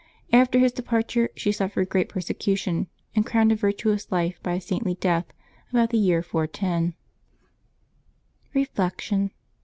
After his departure she suffered great per secution, and crowned a virtuous life by a saintly death, about the year 410. Reflection.